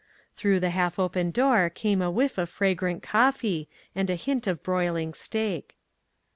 Through the half open door came a whiff of fragrant coffee, and a hint of broiling steak.